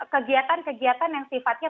kegiatan kegiatan yang sifatnya